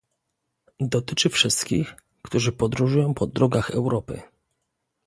Dotyczy wszystkich, którzy podróżują po drogach Europy